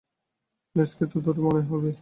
লেজকে তো দড়ি মনে হইবেই।